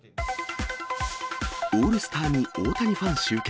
オールスターに大谷ファン集結。